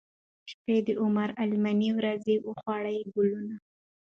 شپې د عمر غلیماني ورځي وخوړې کلونو